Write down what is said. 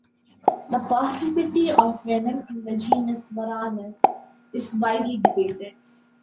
The possibility of venom in the genus "Varanus" is widely debated.